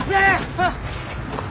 あっ。